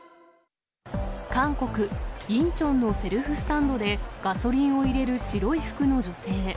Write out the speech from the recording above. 韓国・インチョンのセルフスタンドで、ガソリンを入れる白い服の女性。